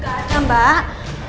gak ada mbak